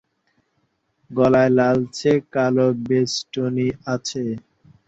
গলায় লালচে-কালো বেষ্টনী আছে।